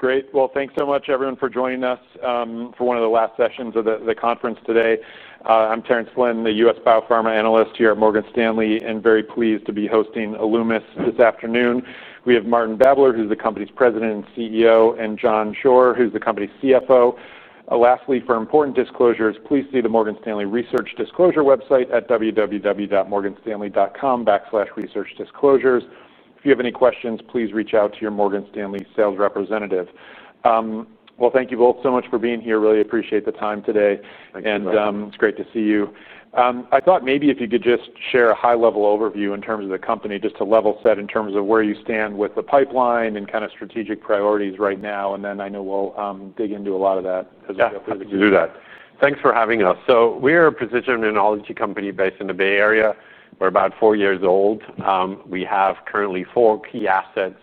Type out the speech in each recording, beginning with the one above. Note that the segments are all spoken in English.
Great. Thank you so much, everyone, for joining us for one of the last sessions of the conference today. I'm Terence Flynn, the U.S. biopharma analyst here at Morgan Stanley, and very pleased to be hosting Alumis this afternoon. We have Martin Babler, who's the company's President and CEO, and John Schroer, who's the company's CFO. Lastly, for important disclosures, please see the Morgan Stanley Research Disclosure website at www.morganstanley.com/researchdisclosures. If you have any questions, please reach out to your Morgan Stanley sales representative. Thank you both so much for being here. Really appreciate the time today. It's great to see you. I thought maybe if you could just share a high-level overview in terms of the company, just to level set in terms of where you stand with the pipeline and kind of strategic priorities right now. I know we'll dig into a lot of that as we go through the Q2. Thanks for having us. We are a precision immunology company based in the Bay Area. We're about four years old. We have currently four key assets.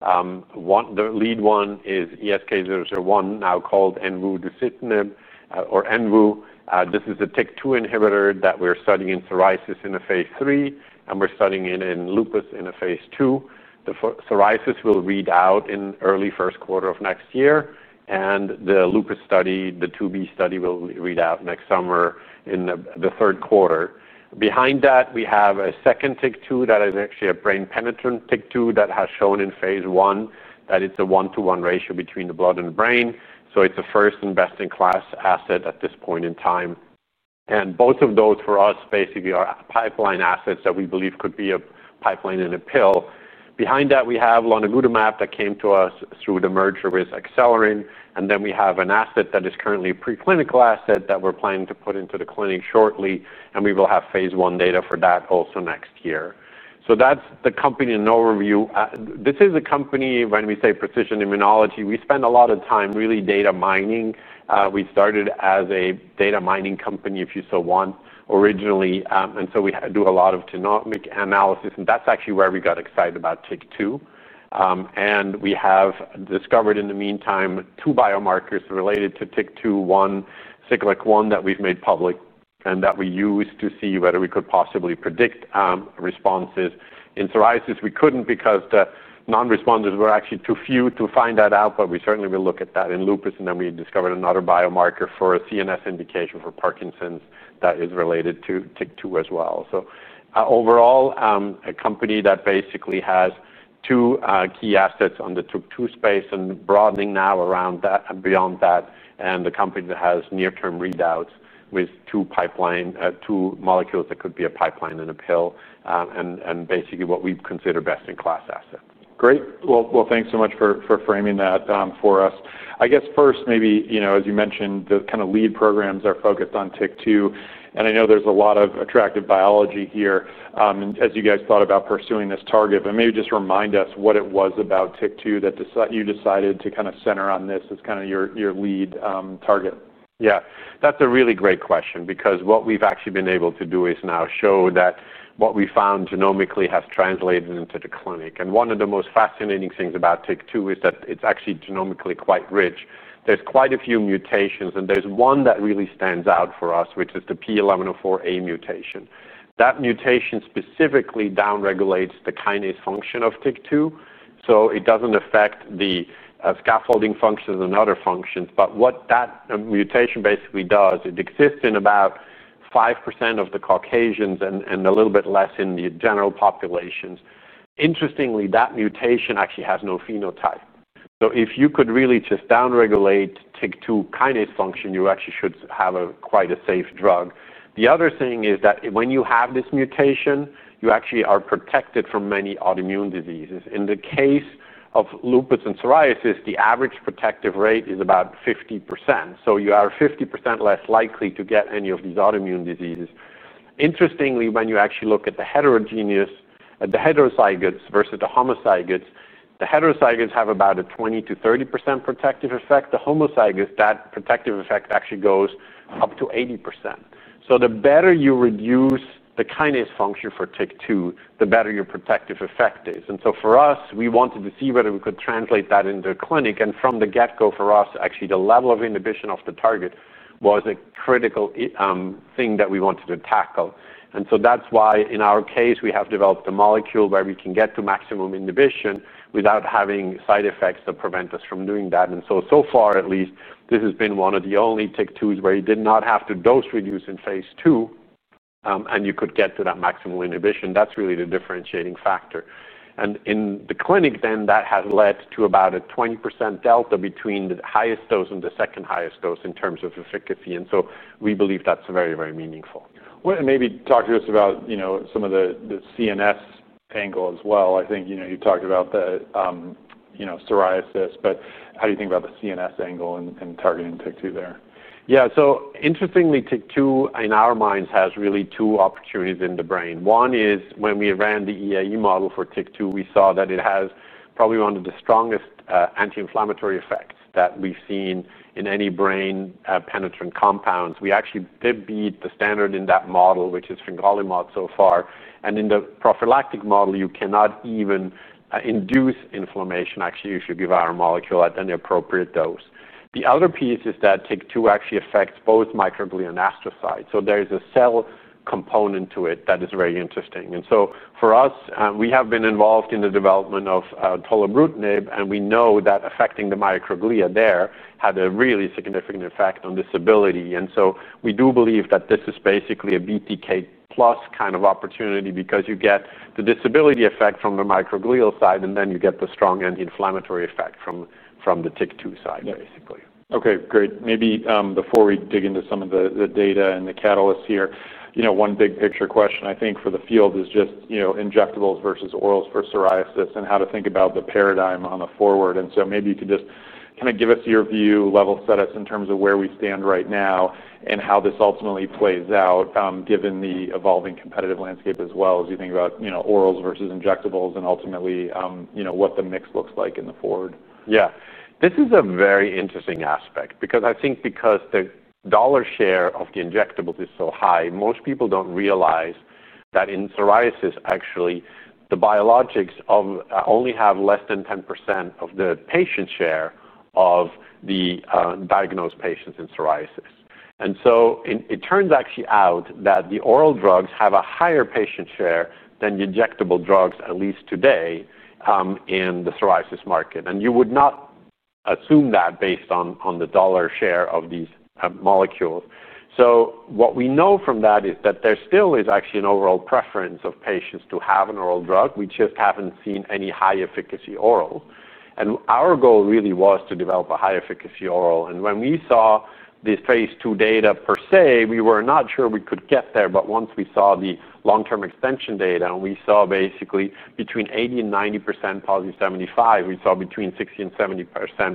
The lead one is ESK-021, now called Envuducitinib or Envu. This is a TIK2 inhibitor that we're studying in psoriasis in a phase 3, and we're studying it in lupus in a phase 2. The psoriasis will read out in the early first quarter of next year, and the lupus study, the 2B study, will read out next summer in the third quarter. Behind that, we have a second TIK2 that is actually a brain-penetrant TIK2 that has shown in phase 1 that it's a 1:1 ratio between the blood and the brain. It's the first and best-in-class asset at this point in time. Both of those, for us, basically are pipeline assets that we believe could be a pipeline in a pill. Behind that, we have lenaludomab that came to us through the merger with Accelerin. We have an asset that is currently a preclinical asset that we're planning to put into the clinic shortly. We will have phase 1 data for that also next year. That's the company in overview. This is a company, when we say precision immunology, we spend a lot of time really data mining. We started as a data mining company, if you so want, originally. We do a lot of genomic analysis. That's actually where we got excited about TIK2. We have discovered in the meantime two biomarkers related to TIK2, one cyclic one that we've made public and that we use to see whether we could possibly predict responses. In psoriasis, we couldn't because the non-responders were actually too few to find that out. We certainly will look at that in lupus. We discovered another biomarker for a CNS indication for Parkinson's that is related to TIK2 as well. Overall, a company that basically has two key assets in the TIK2 space and broadening now around that and beyond that, and a company that has near-term readouts with two molecules that could be a pipeline in a pill and basically what we consider best-in-class assets. Great. Thank you so much for framing that for us. I guess first, as you mentioned, the kind of lead programs are focused on TIK2. I know there's a lot of attractive biology here. As you thought about pursuing this target, maybe just remind us what it was about TIK2 that you decided to center on this as your lead target. Yeah, that's a really great question because what we've actually been able to do is now show that what we found genomically has translated into the clinic. One of the most fascinating things about TIK2 is that it's actually genomically quite rich. There are quite a few mutations, and there's one that really stands out for us, which is the P1104A mutation. That mutation specifically downregulates the kinase function of TIK2. It doesn't affect the scaffolding functions and other functions. What that mutation basically does is it exists in about 5% of the Caucasians and a little bit less in the general populations. Interestingly, that mutation actually has no phenotype. If you could really just downregulate TIK2 kinase function, you actually should have quite a safe drug. The other thing is that when you have this mutation, you actually are protected from many autoimmune diseases. In the case of lupus and psoriasis, the average protective rate is about 50%. You are 50% less likely to get any of these autoimmune diseases. Interestingly, when you actually look at the heterozygous versus the homozygous, the heterozygous have about a 20% to 30% protective effect. The homozygous, that protective effect actually goes up to 80%. The better you reduce the kinase function for TIK2, the better your protective effect is. For us, we wanted to see whether we could translate that into the clinic. From the get-go, for us, the level of inhibition of the target was a critical thing that we wanted to tackle. That's why, in our case, we have developed a molecule where we can get to maximum inhibition without having side effects that prevent us from doing that. So far, at least, this has been one of the only TIK2s where you did not have to dose reduce in phase 2, and you could get to that maximum inhibition. That's really the differentiating factor. In the clinic, then, that has led to about a 20% delta between the highest dose and the second highest dose in terms of efficacy. We believe that's very, very meaningful. Maybe talk to us about some of the CNS angle as well. I think you talked about the psoriasis, but how do you think about the CNS angle in targeting TIK2 there? Yeah, so interestingly, TIK2, in our minds, has really two opportunities in the brain. One is when we ran the EAE model for TIK2, we saw that it has probably one of the strongest anti-inflammatory effects that we've seen in any brain-penetrant compounds. We actually did beat the standard in that model, which is fingolimod so far. In the prophylactic model, you cannot even induce inflammation, actually, if you give our molecule at an appropriate dose. The other piece is that TIK2 actually affects both microglia and astrocytes. There is a cell component to it that is very interesting. For us, we have been involved in the development of tolebrutinib, and we know that affecting the microglia there had a really significant effect on disability. We do believe that this is basically a BTK+ kind of opportunity because you get the disability effect from the microglial side, and then you get the strong anti-inflammatory effect from the TIK2 side, basically. OK, great. Maybe before we dig into some of the data and the catalysts here, one big picture question for the field is just injectables versus orals for psoriasis and how to think about the paradigm on the forward. Maybe you could just give us your view, level set us in terms of where we stand right now and how this ultimately plays out given the evolving competitive landscape as well as you think about orals versus injectables and ultimately what the mix looks like in the forward. Yeah, this is a very interesting aspect because I think because the dollar share of the injectables is so high, most people don't realize that in psoriasis, actually, the biologics only have less than 10% of the patient share of the diagnosed patients in psoriasis. It turns out that the oral drugs have a higher patient share than the injectable drugs, at least today, in the psoriasis market. You would not assume that based on the dollar share of these molecules. What we know from that is that there still is actually an overall preference of patients to have an oral drug. We just haven't seen any high-efficacy oral. Our goal really was to develop a high-efficacy oral. When we saw this phase 2 data per se, we were not sure we could get there. Once we saw the long-term extension data, and we saw basically between 80% and 90% positive 75%, we saw between 60% and 70%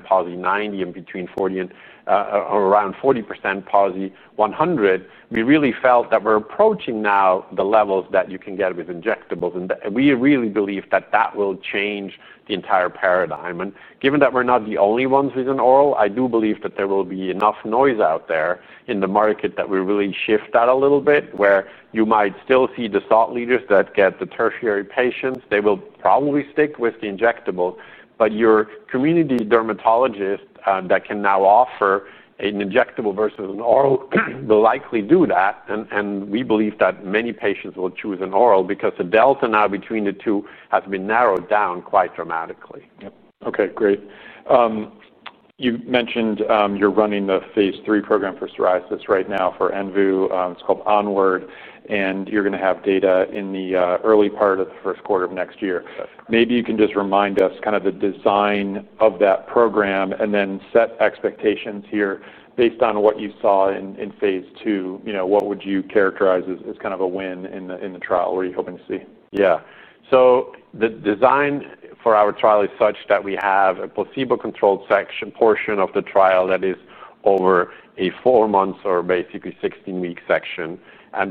positive 90%, and between 40% and around 40% positive 100%, we really felt that we're approaching now the levels that you can get with injectables. We really believe that that will change the entire paradigm. Given that we're not the only ones with an oral, I do believe that there will be enough noise out there in the market that we really shift that a little bit, where you might still see the thought leaders that get the tertiary patients. They will probably stick with the injectable. Your community dermatologist that can now offer an injectable versus an oral will likely do that. We believe that many patients will choose an oral because the delta now between the two has been narrowed down quite dramatically. OK, great. You mentioned you're running the phase 3 program for psoriasis right now for Envu. It's called Onward. You're going to have data in the early part of the first quarter of next year. Maybe you can just remind us kind of the design of that program and then set expectations here based on what you saw in phase 2. What would you characterize as kind of a win in the trial? What are you hoping to see? Yeah, so the design for our trial is such that we have a placebo-controlled portion of the trial that is over a four-month or basically 16-week section.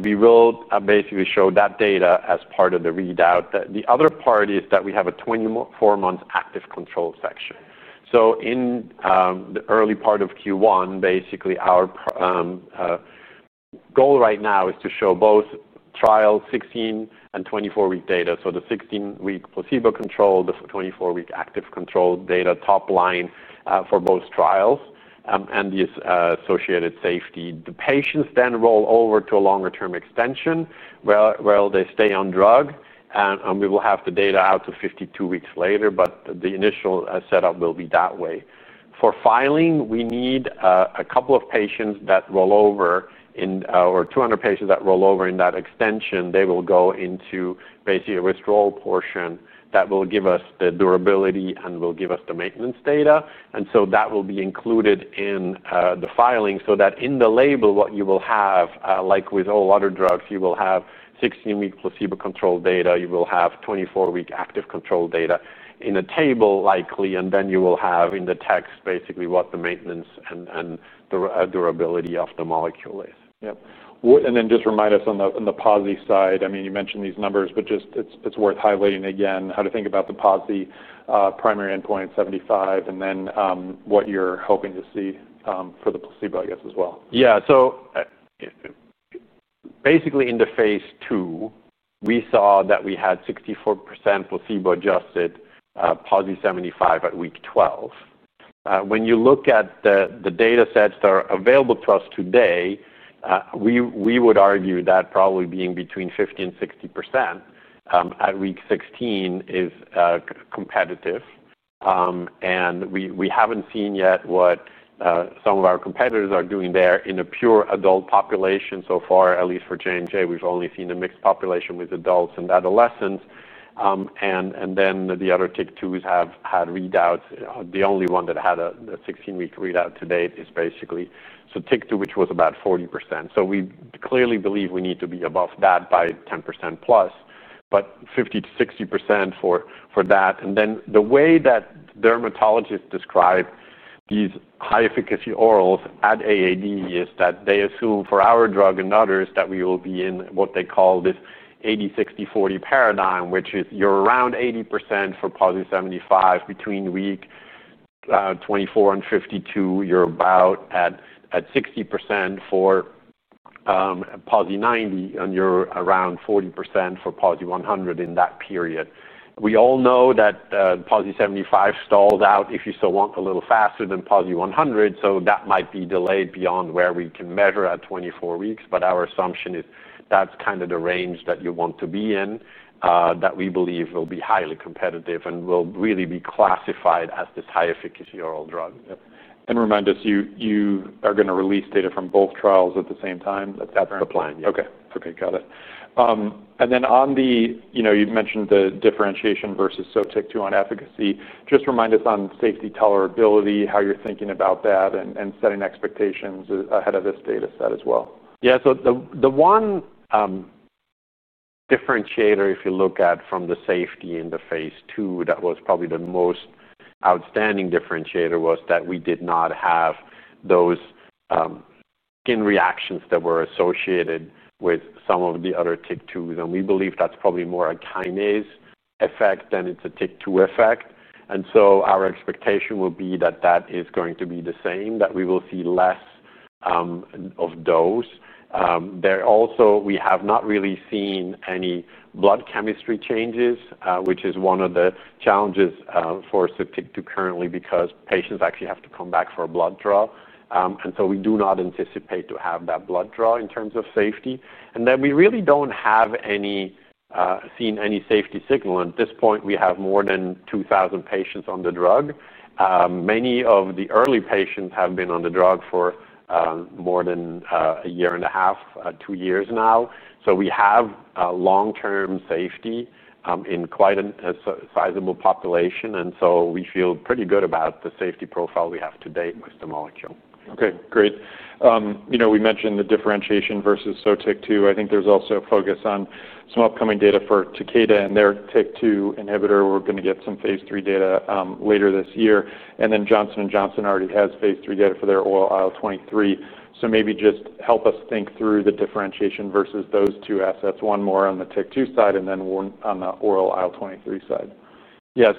We will basically show that data as part of the readout. The other part is that we have a 24-month active control section. In the early part of Q1, basically, our goal right now is to show both trial 16 and 24-week data. The 16-week placebo control, the 24-week active control data top line for both trials and the associated safety. The patients then roll over to a longer-term extension where they stay on drug. We will have the data out to 52 weeks later. The initial setup will be that way. For filing, we need a couple of patients that roll over in or 200 patients that roll over in that extension. They will go into basically a withdrawal portion that will give us the durability and will give us the maintenance data. That will be included in the filing so that in the label, what you will have, like with all other drugs, you will have 16-week placebo control data. You will have 24-week active control data in a table, likely. Then you will have in the text basically what the maintenance and the durability of the molecule is. Yeah. Just remind us on the PASI side. I mean, you mentioned these numbers, but it's worth highlighting again how to think about the PASI, primary endpoint 75, and then what you're hoping to see for the placebo, I guess, as well. Yeah, so basically in the phase 2, we saw that we had 64% placebo-adjusted PASI 75 at week 12. When you look at the data sets that are available to us today, we would argue that probably being between 50% and 60% at week 16 is competitive. We haven't seen yet what some of our competitors are doing there in a pure adult population. So far, at least for Johnson & Johnson, we've only seen a mixed population with adults and adolescents. The other TIK2 inhibitors have had readouts. The only one that had a 16-week readout today is basically Sotyktu, which was about 40%. We clearly believe we need to be above that by 10% plus, but 50% to 60% for that. The way that dermatologists describe these high-efficacy orals at AAD is that they assume for our drug and others that we will be in what they call this 80/60/40 paradigm, which is you're around 80% for PASI 75. Between week 24 and 52, you're about at 60% for PASI 90, and you're around 40% for PASI 100 in that period. We all know that PASI 75 stalls out, if you so want, a little faster than PASI 100. That might be delayed beyond where we can measure at 24 weeks. Our assumption is that's kind of the range that you want to be in, that we believe will be highly competitive and will really be classified as this high-efficacy oral drug. You are going to release data from both trials at the same time. That's the plan, yeah. OK, got it. You mentioned the differentiation versus TIK2 on efficacy. Just remind us on safety tolerability, how you're thinking about that, and setting expectations ahead of this data set as well. Yeah, the one differentiator, if you look at from the safety in the phase 2, that was probably the most outstanding differentiator was that we did not have those skin reactions that were associated with some of the other TIK2s. We believe that's probably more a kinase effect than it's a TIK2 effect. Our expectation will be that that is going to be the same, that we will see less of those. Also, we have not really seen any blood chemistry changes, which is one of the challenges for TIK2 currently because patients actually have to come back for a blood draw. We do not anticipate to have that blood draw in terms of safety. We really don't have seen any safety signal. At this point, we have more than 2,000 patients on the drug. Many of the early patients have been on the drug for more than a year and a half, two years now. We have long-term safety in quite a sizable population. We feel pretty good about the safety profile we have today with the molecule. OK, great. You know, we mentioned the differentiation versus Sotyktu. I think there's also a focus on some upcoming data for Takeda and their TIK2 inhibitor. We're going to get some phase 3 data later this year. Johnson & Johnson already has phase 3 data for their oral IL-23. Maybe just help us think through the differentiation versus those two assets, one more on the TIK2 side and then one on the oral IL-23 side. Yeah,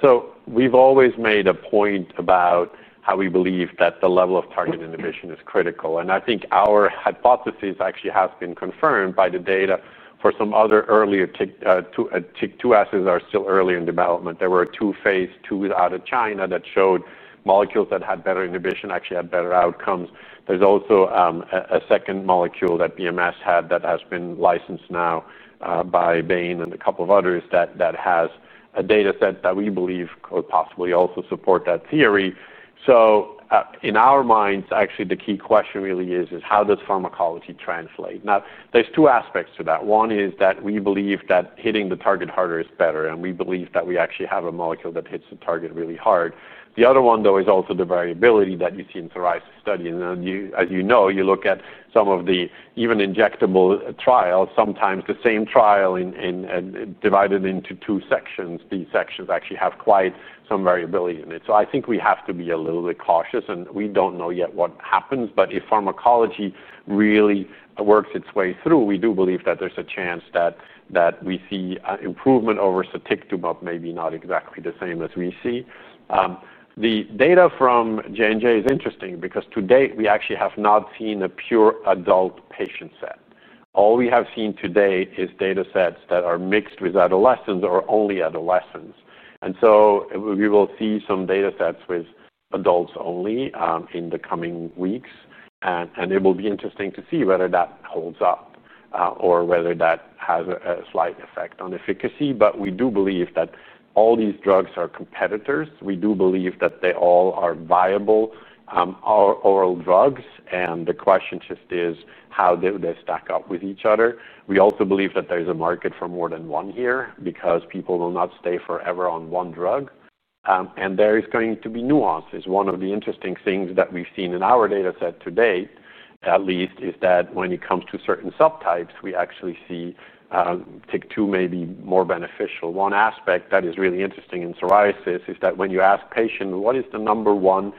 we've always made a point about how we believe that the level of target inhibition is critical. I think our hypothesis actually has been confirmed by the data for some other earlier TIK2 assets that are still early in development. There were two phase 2 out of China that showed molecules that had better inhibition actually had better outcomes. There's also a second molecule that Bristol Myers Squibb had that has been licensed now by Bain and a couple of others that has a data set that we believe could possibly also support that theory. In our minds, the key question really is, how does pharmacology translate? There are two aspects to that. One is that we believe that hitting the target harder is better, and we believe that we actually have a molecule that hits the target really hard. The other one is also the variability that you see in psoriasis studies. As you know, you look at some of the even injectable trials, sometimes the same trial divided into two sections, these sections actually have quite some variability in it. I think we have to be a little bit cautious. We don't know yet what happens, but if pharmacology really works its way through, we do believe that there's a chance that we see improvement over Sotyktu, but maybe not exactly the same as we see. The data from Johnson & Johnson is interesting because to date, we actually have not seen a pure adult patient set. All we have seen to date is data sets that are mixed with adolescents or only adolescents. We will see some data sets with adults only in the coming weeks, and it will be interesting to see whether that holds up or whether that has a slight effect on efficacy. We do believe that all these drugs are competitors. We do believe that they all are viable oral drugs, and the question just is how do they stack up with each other? We also believe that there is a market for more than one here because people will not stay forever on one drug, and there is going to be nuances. One of the interesting things that we've seen in our data set to date, at least, is that when it comes to certain subtypes, we actually see TIK2 may be more beneficial. One aspect that is really interesting in psoriasis is that when you ask patients, what is the number one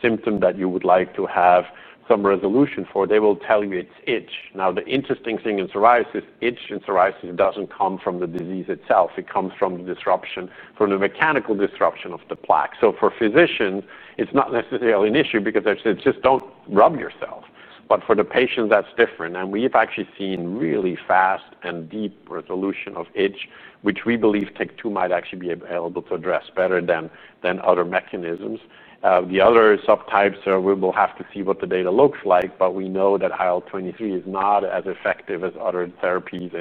symptom that you would like to have some resolution for, they will tell you it's itch. The interesting thing in psoriasis, itch in psoriasis doesn't come from the disease itself. It comes from the disruption, from the mechanical disruption of the plaque. For physicians, it's not necessarily an issue because they say, just don't rub yourself. For the patients, that's different. We've actually seen really fast and deep resolution of itch, which we believe TIK2 might actually be available to address better than other mechanisms. The other subtypes, we will have to see what the data looks like. We know that IL-23 is not as effective as other therapies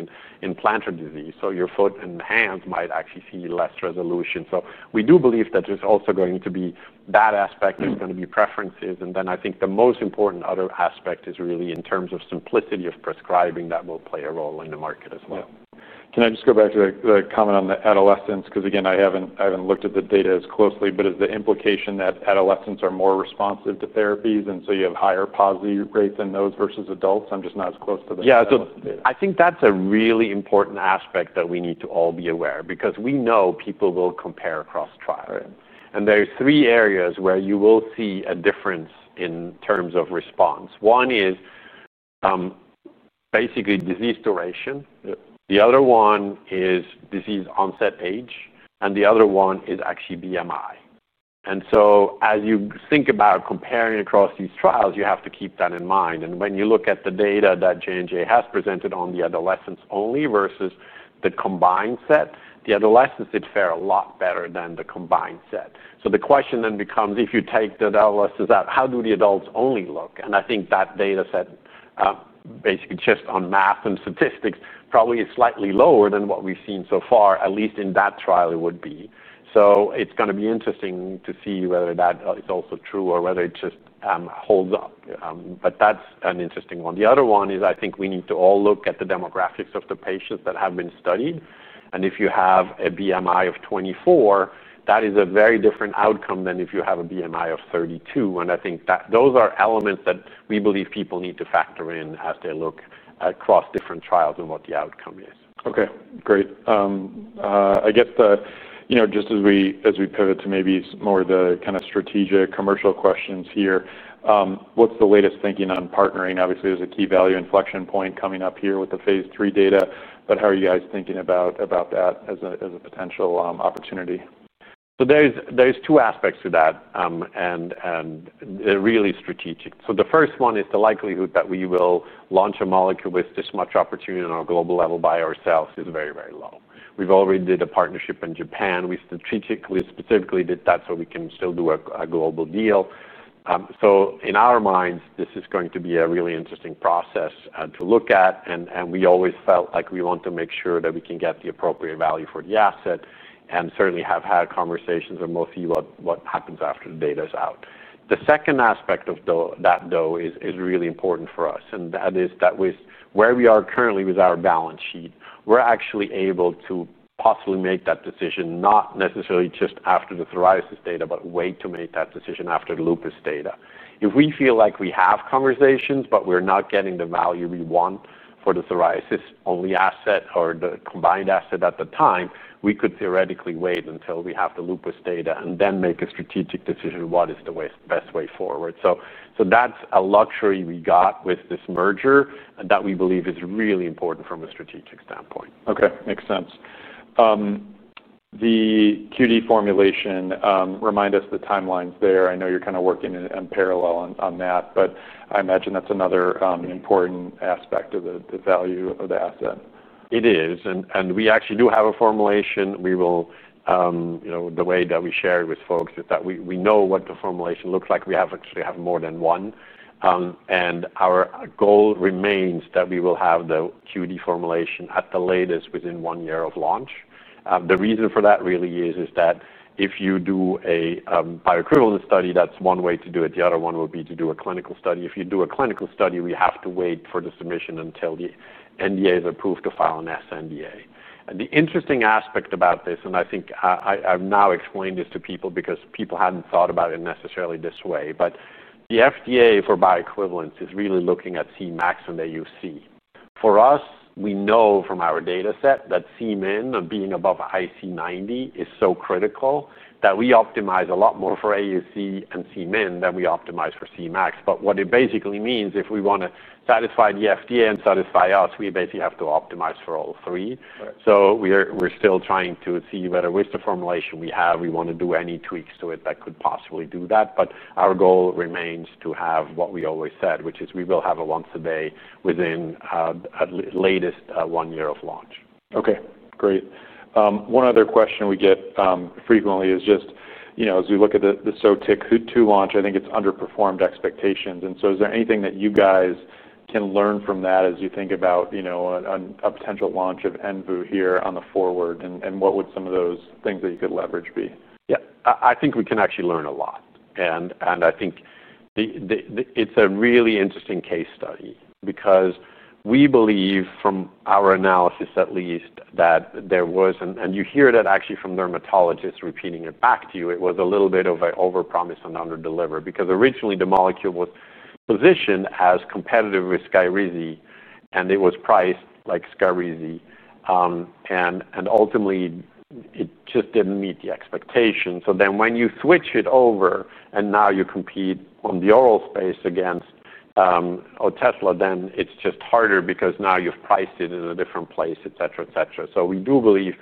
in plantar disease. Your foot and hands might actually see less resolution. We do believe that there's also going to be that aspect. There are going to be preferences. I think the most important other aspect is really in terms of simplicity of prescribing that will play a role in the market as well. Can I just go back to the comment on the adolescents? I haven't looked at the data as closely. Is the implication that adolescents are more responsive to therapies, and so you have higher PASI rates in those versus adults? I'm just not as close to the. Yeah, I think that's a really important aspect that we need to all be aware of because we know people will compare across trials. There are three areas where you will see a difference in terms of response. One is basically disease duration. The other one is disease onset age. The other one is actually BMI. As you think about comparing across these trials, you have to keep that in mind. When you look at the data that Johnson & Johnson has presented on the adolescents only versus the combined set, the adolescents did fare a lot better than the combined set. The question then becomes, if you take the adolescents out, how do the adults only look? I think that data set, basically just on math and statistics, probably is slightly lower than what we've seen so far. At least in that trial, it would be. It's going to be interesting to see whether that is also true or whether it just holds up. That's an interesting one. The other one is I think we need to all look at the demographics of the patients that have been studied. If you have a BMI of 24, that is a very different outcome than if you have a BMI of 32. I think that those are elements that we believe people need to factor in as they look across different trials and what the outcome is. OK, great. I guess just as we pivot to maybe more of the kind of strategic commercial questions here, what's the latest thinking on partnering? Obviously, there's a key value inflection point coming up here with the phase 3 data. How are you guys thinking about that as a potential opportunity? There are two aspects to that and they're really strategic. The first one is the likelihood that we will launch a molecule with this much opportunity on a global level by ourselves is very, very low. We've already did a partnership in Japan. We strategically specifically did that so we can still do a global deal. In our minds, this is going to be a really interesting process to look at. We always felt like we want to make sure that we can get the appropriate value for the asset and certainly have had conversations with most people about what happens after the data is out. The second aspect of that, though, is really important for us. That is that with where we are currently with our balance sheet, we're actually able to possibly make that decision not necessarily just after the psoriasis data, but wait to make that decision after the lupus data. If we feel like we have conversations, but we're not getting the value we want for the psoriasis-only asset or the combined asset at the time, we could theoretically wait until we have the lupus data and then make a strategic decision what is the best way forward. That's a luxury we got with this merger that we believe is really important from a strategic standpoint. OK, makes sense. The QD formulation, remind us the timelines there. I know you're kind of working in parallel on that. I imagine that's another important aspect of the value of the asset. It is. We actually do have a formulation. The way that we share it with folks is that we know what the formulation looks like. We actually have more than one. Our goal remains that we will have the QD formulation at the latest within one year of launch. The reason for that really is that if you do a bioequivalent study, that's one way to do it. The other one would be to do a clinical study. If you do a clinical study, we have to wait for the submission until the NDA is approved to file an SNDA. The interesting aspect about this, and I think I've now explained this to people because people hadn't thought about it necessarily this way, is that the FDA for bioequivalents is really looking at CMAX and AUC. For us, we know from our data set that CMIN and being above IC90 is so critical that we optimize a lot more for AUC and CMIN than we optimize for CMAX. What it basically means, if we want to satisfy the FDA and satisfy us, is we basically have to optimize for all three. We're still trying to see whether with the formulation we have, we want to do any tweaks to it that could possibly do that. Our goal remains to have what we always said, which is we will have a once-a-day within the latest one year of launch. OK, great. One other question we get frequently is just, you know, as we look at the Sotyktu launch, I think it's underperformed expectations. Is there anything that you guys can learn from that as you think about a potential launch of Envu here going forward? What would some of those things that you could leverage be? Yeah, I think we can actually learn a lot. I think it's a really interesting case study because we believe, from our analysis at least, that there was, and you hear that actually from dermatologists repeating it back to you, it was a little bit of an overpromise and under-deliver because originally the molecule was positioned as competitive with Skyrizi. It was priced like Skyrizi, and ultimately, it just didn't meet the expectations. When you switch it over and now you compete in the oral space against Otezla, it's just harder because now you've priced it in a different place, et cetera, et cetera. We do believe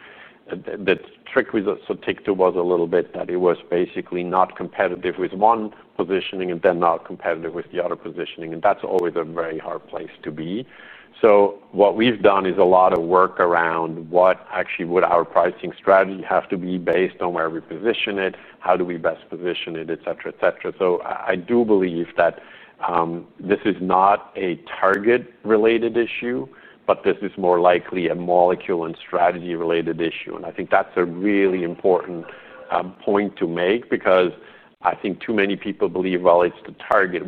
the trick with Sotyktu was a little bit that it was basically not competitive with one positioning and then not competitive with the other positioning. That's always a very hard place to be. What we've done is a lot of work around what actually would our pricing strategy have to be based on where we position it, how do we best position it, et cetera, et cetera. I do believe that this is not a target-related issue, but this is more likely a molecule and strategy-related issue. I think that's a really important point to make because I think too many people believe, well, it's the target.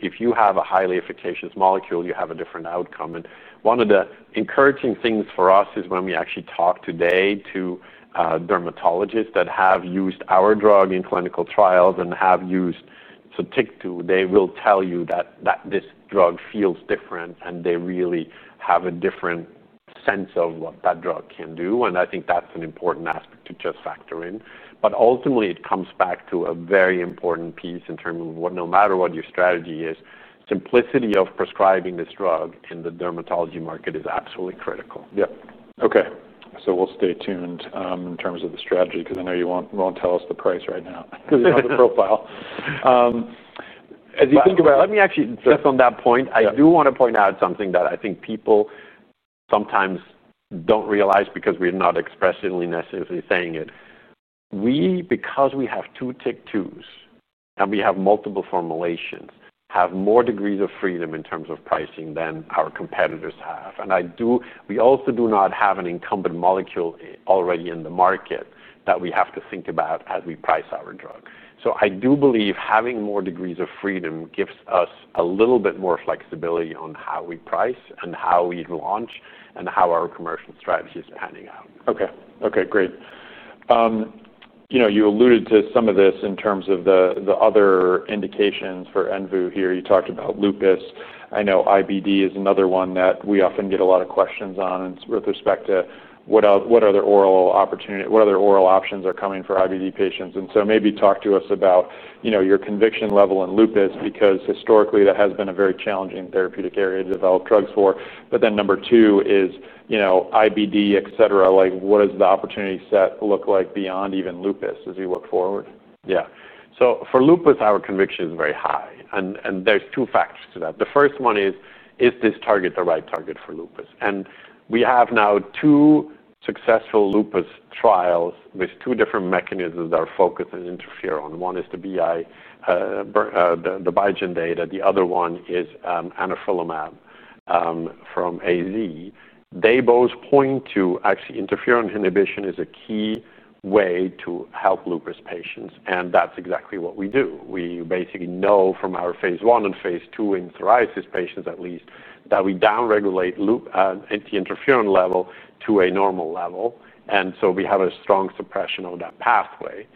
If you have a highly efficacious molecule, you have a different outcome. One of the encouraging things for us is when we actually talk today to dermatologists that have used our drug in clinical trials and have used Sotyktu, they will tell you that this drug feels different. They really have a different sense of what that drug can do. I think that's an important aspect to just factor in. Ultimately, it comes back to a very important piece in terms of what, no matter what your strategy is, simplicity of prescribing this drug in the dermatology market is absolutely critical. OK. We'll stay tuned in terms of the strategy because I know you won't tell us the price right now because you have the profile. As you think about it, let me actually just on that point, I do want to point out something that I think people sometimes don't realize because we're not expressly necessarily saying it. We, because we have two TIK2s and we have multiple formulations, have more degrees of freedom in terms of pricing than our competitors have. We also do not have an incumbent molecule already in the market that we have to think about as we price our drug. I do believe having more degrees of freedom gives us a little bit more flexibility on how we price and how we launch and how our commercial strategy is handing out. OK, great. You alluded to some of this in terms of the other indications for Envu here. You talked about lupus. I know IBD is another one that we often get a lot of questions on with respect to what other oral options are coming for IBD patients. Maybe talk to us about your conviction level in lupus because historically, that has been a very challenging therapeutic area to develop drugs for. Number two is IBD, et cetera. What does the opportunity set look like beyond even lupus as you look forward? Yeah, so for lupus, our conviction is very high. There are two factors to that. The first one is, is this target the right target for lupus? We have now two successful lupus trials with two different mechanisms that are focused on interferon. One is the BiGen data. The other one is anifrolumab from AZ. They both point to actually interferon inhibition as a key way to help lupus patients. That's exactly what we do. We basically know from our phase 1 and phase 2 in psoriasis patients at least that we downregulate the interferon level to a normal level, and we have a strong suppression of that pathway.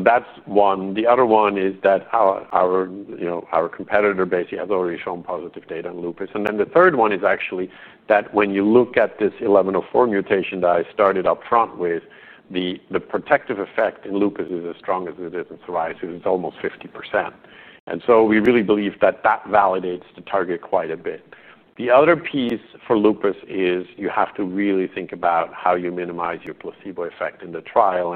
That's one. The other one is that our competitor basically has already shown positive data on lupus. The third one is actually that when you look at this 1104 mutation that I started up front with, the protective effect in lupus is as strong as it is in psoriasis. It's almost 50%. We really believe that that validates the target quite a bit. The other piece for lupus is you have to really think about how you minimize your placebo effect in the trial.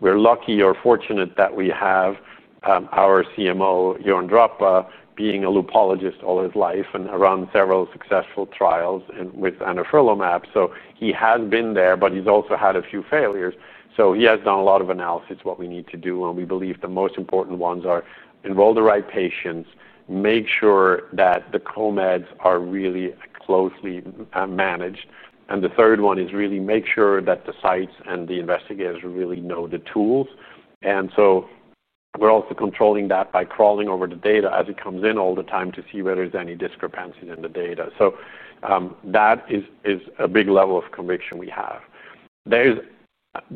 We're fortunate that we have our CMO, Jeroen Dropper, being a lupologist all his life and run several successful trials with anifrolumab. He has been there, but he's also had a few failures. He has done a lot of analysis of what we need to do. We believe the most important ones are enroll the right patients, make sure that the comeds are really closely managed, and the third one is really make sure that the sites and the investigators really know the tools. We're also controlling that by crawling over the data as it comes in all the time to see whether there's any discrepancies in the data. That is a big level of conviction we have.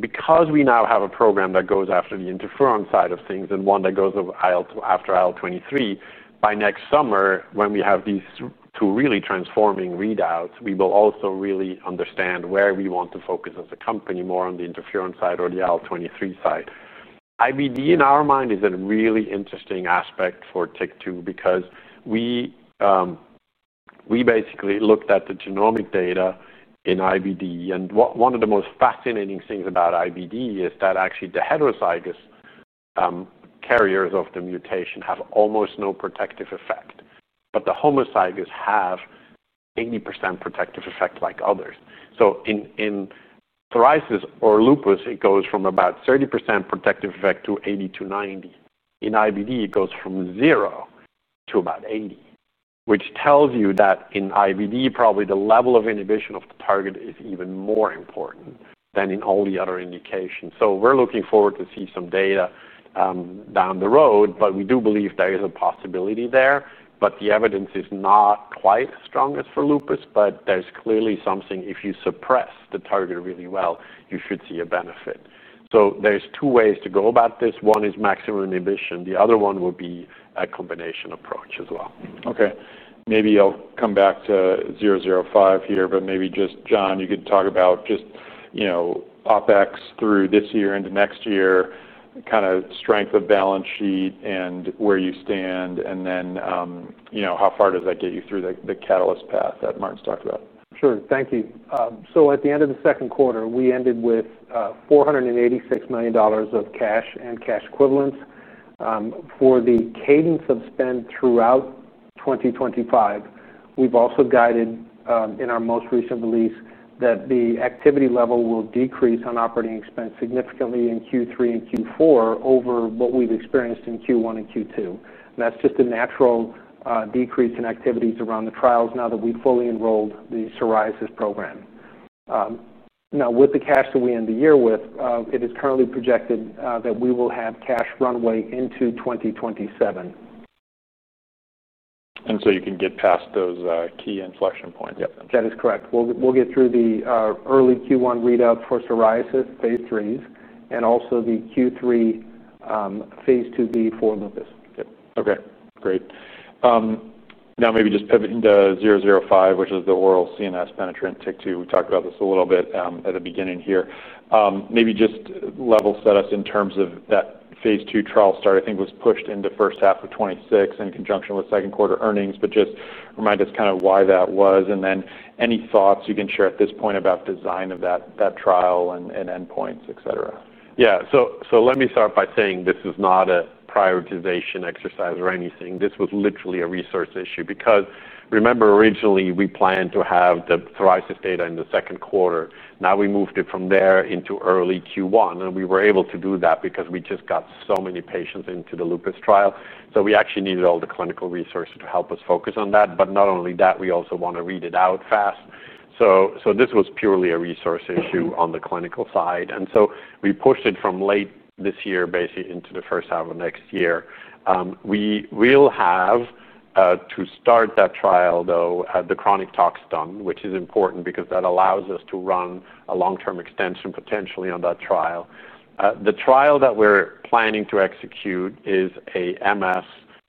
Because we now have a program that goes after the interferon side of things and one that goes after IL-23, by next summer, when we have these two really transforming readouts, we will also really understand where we want to focus as a company, more on the interferon side or the IL-23 side. IBD, in our mind, is a really interesting aspect for TIK2 because we basically looked at the genomic data in IBD. One of the most fascinating things about IBD is that actually the heterozygous carriers of the mutation have almost no protective effect, but the homozygous have 80% protective effect like others. In psoriasis or lupus, it goes from about 30% protective effect to 80% to 90%. In IBD, it goes from 0% to about 80%, which tells you that in IBD, probably the level of inhibition of the target is even more important than in all the other indications. We're looking forward to see some data down the road. We do believe there is a possibility there. The evidence is not quite as strong as for lupus. There's clearly something, if you suppress the target really well, you should see a benefit. There are two ways to go about this. One is maximum inhibition. The other one would be a combination approach as well. OK, maybe I'll come back to A-005 here. John, you could talk about just, you know, OpEx through this year into next year, kind of strength of balance sheet and where you stand. You know, how far does that get you through the catalyst path that Martin's talked about? Thank you. At the end of the second quarter, we ended with $486 million of cash and cash equivalents. For the cadence of spend throughout 2025, we've also guided in our most recent release that the activity level will decrease on operating expense significantly in Q3 and Q4 over what we've experienced in Q1 and Q2. That's just a natural decrease in activities around the trials now that we fully enrolled the psoriasis program. With the cash that we end the year with, it is currently projected that we will have cash runway into 2027. You can get past those key inflection points. Yep, that is correct. We'll get through the early Q1 readout for psoriasis phase 3s and also the Q3 phase 2b for lupus. OK, great. Now, maybe just pivoting to A-005, which is the oral CNS-penetrant TIK2. We talked about this a little bit at the beginning here. Maybe just level set us in terms of that phase 2 trial start. I think it was pushed into first half of 2026 in conjunction with second quarter earnings. Just remind us kind of why that was. Any thoughts you can share at this point about design of that trial and endpoints, et cetera. Yeah, let me start by saying this is not a prioritization exercise or anything. This was literally a resource issue because remember, originally, we planned to have the psoriasis data in the second quarter. Now, we moved it from there into early Q1. We were able to do that because we just got so many patients into the lupus trial. We actually needed all the clinical resources to help us focus on that. Not only that, we also want to read it out fast. This was purely a resource issue on the clinical side. We pushed it from late this year into the first half of next year. We will have, to start that trial, the chronic tox done, which is important because that allows us to run a long-term extension potentially on that trial. The trial that we're planning to execute is an MS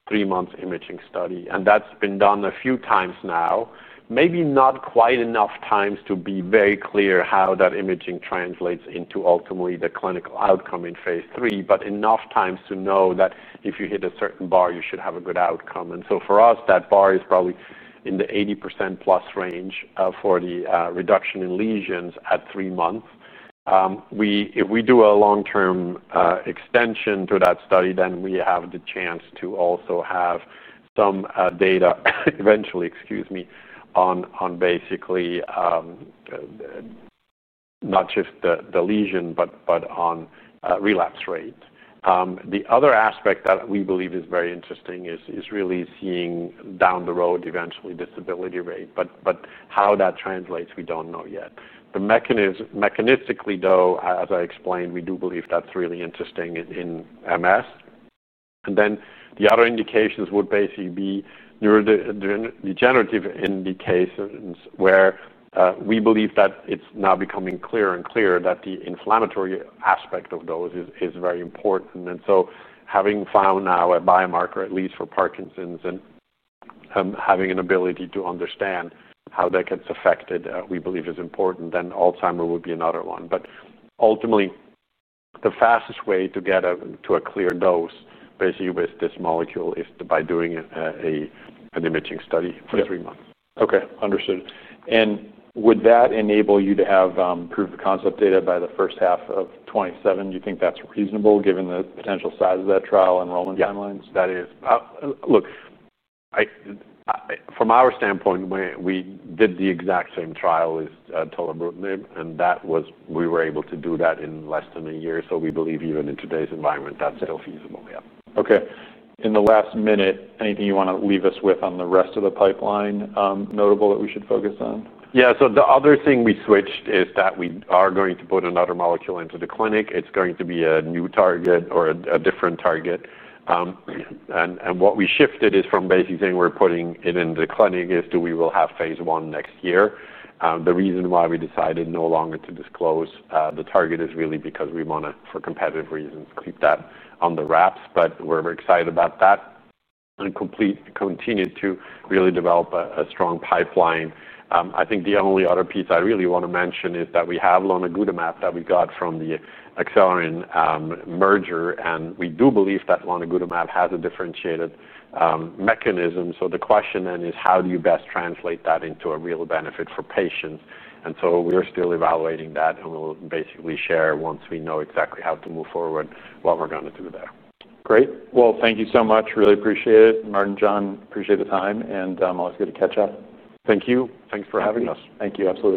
three-month imaging study. That's been done a few times now, maybe not quite enough times to be very clear how that imaging translates into ultimately the clinical outcome in phase 3, but enough times to know that if you hit a certain bar, you should have a good outcome. For us, that bar is probably in the 80%+ range for the reduction in lesions at three months. If we do a long-term extension to that study, then we have the chance to also have some data eventually, excuse me, on basically not just the lesion, but on relapse rate. The other aspect that we believe is very interesting is really seeing down the road, eventually, disability rate. How that translates, we don't know yet. Mechanistically, as I explained, we do believe that's really interesting in MS. The other indications would basically be neurodegenerative indications where we believe that it's now becoming clearer and clearer that the inflammatory aspect of those is very important. Having found now a biomarker, at least for Parkinson's, and having an ability to understand how that gets affected, we believe is important. Alzheimer would be another one. Ultimately, the fastest way to get to a clear dose with this molecule is by doing an imaging study for three months. OK, understood. Would that enable you to have proof of concept data by the first half of 2027? Do you think that's reasonable given the potential size of that trial enrollment timelines? That is. Look, from our standpoint, we did the exact same trial as tolerabutinib, and we were able to do that in less than a year. We believe even in today's environment, that's still feasible. OK. In the last minute, anything you want to leave us with on the rest of the pipeline, notable that we should focus on? Yeah, so the other thing we switched is that we are going to put another molecule into the clinic. It's going to be a new target or a different target. What we shifted is from basically saying we're putting it into the clinic is we will have phase 1 next year. The reason why we decided no longer to disclose the target is really because we want to, for competitive reasons, keep that under wraps. We're very excited about that and continue to really develop a strong pipeline. I think the only other piece I really want to mention is that we have lenaludomab that we got from the Accelerin merger. We do believe that lenaludomab has a differentiated mechanism. The question then is, how do you best translate that into a real benefit for patients? We're still evaluating that. We'll basically share once we know exactly how to move forward what we're going to do there. Great. Thank you so much. Really appreciate it. Martin, John, appreciate the time. I'll ask you to catch up. Thank you. Thanks for having us. Thank you.